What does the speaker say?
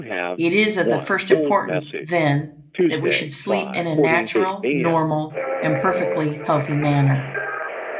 It is of the first importance, then, that we should sleep in a natural, normal, and perfectly healthy manner.